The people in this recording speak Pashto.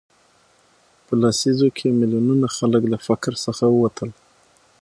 په لسیزو کې میلیونونه خلک له فقر څخه ووتل.